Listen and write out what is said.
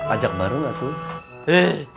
ajak bareng lah tuh